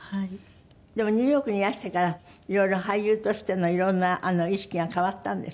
でもニューヨークにいらしてから色々俳優としての色んな意識が変わったんですって？